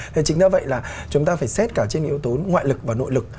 thế chính là vậy là chúng ta phải xét cả trên yếu tố ngoại lực và nội lực